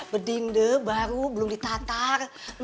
bedinde baru belum ditantar